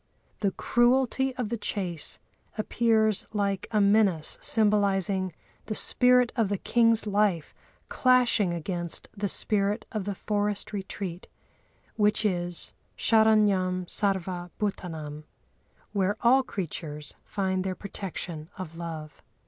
The cruelty of the chase appears like a menace symbolising the spirit of the king's life clashing against the spirit of the forest retreat, which is "sharanyam sarva bhútânâm" (where all creatures find their protection of love).